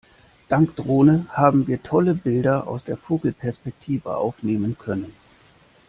Dank Drohne haben wir tolle Bilder aus der Vogelperspektive aufnehmen können.